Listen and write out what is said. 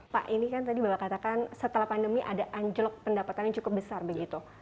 pak ini kan tadi bapak katakan setelah pandemi ada anjlok pendapatan yang cukup besar begitu